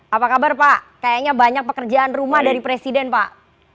apa kabar pak kayaknya banyak pekerjaan rumah dari presiden pak